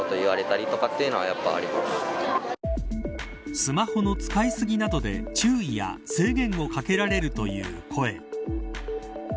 スマホの使い過ぎなどで注意や制限をかけられるという声。